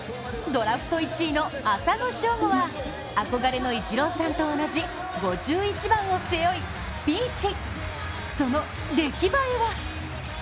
ドラフト１位の浅野翔吾は憧れのイチローさんと同じ５１番を背負い、スピーチ。